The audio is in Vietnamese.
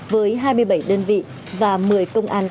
với hai mươi bảy đơn vị và một mươi công an cấp phòng